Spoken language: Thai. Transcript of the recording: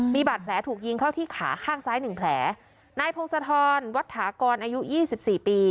มีบาดแผลถูกยิงเข้าที่ขาข้างซ้ายหนึ่งแผลนายพงศธรวัตถากรอายุยี่สิบสี่ปี